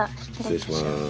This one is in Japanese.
失礼いたします。